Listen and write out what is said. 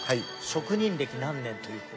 職人歴何年という？